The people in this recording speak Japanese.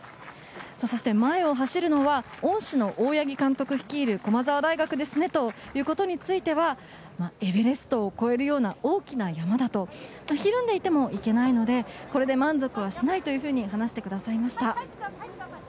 そして前を走るのは恩師の大八木監督率いる駒澤大学ですねということについてはエベレストを越えるような大きな山だひるんでいてもいけないのでこれで満足はしないと話してくださいました。